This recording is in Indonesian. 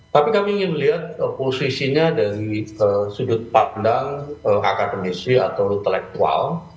tapi kami ingin melihat posisinya dari sudut pandang akademisi atau intelektual